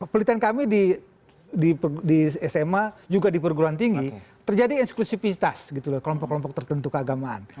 pelitian kami di sma juga di perguruan tinggi terjadi eksklusifitas gitu loh kelompok kelompok tertentu keagamaan